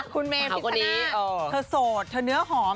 คุณเมพิชนะเธอโสดเธอเนื้อหอม